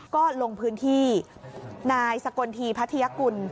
ก็ลงพื้นที่นายสกรนทีพระธิกุล